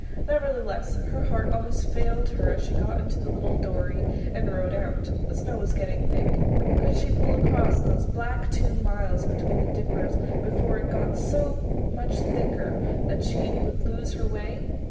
Nevertheless, her heart almost failed her as she got into the little dory and rowed out. The snow was getting thick. Could she pull across those black two miles between the Dippers before it got so much thicker that she would lose her way?